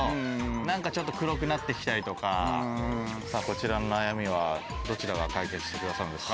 なんかちょっと黒くなってきたりとか、こちらの悩みは、どちらが解決してくださるんですか？